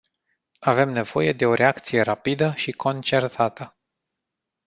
Avem nevoie de o reacție rapidă și concertată.